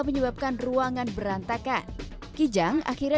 menyebabkan ruangan berantakan kijang akhirnya